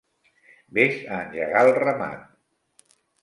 Ves a engegar el ramat.